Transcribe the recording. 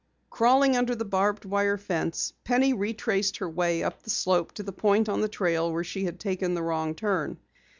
Crawling under the barbed wire fence, Penny retraced her way up the slope to the point on the trail where she had taken the wrong turn.